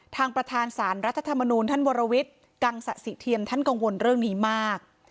ทางประธานสารรัฐธรรมนูลท่านวรวิทย์กังสะสิเทียมท่านกังวลเรื่องนี้มาก